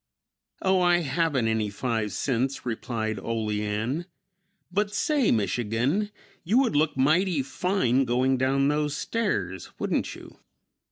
"Oh, I haven't any five cents," replied Olean, "but say, Michigan, you would look mighty fine going down those stairs, wouldn't you?"